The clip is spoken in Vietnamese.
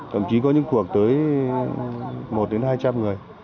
thậm chí có những cuộc tới một đến hai trăm linh người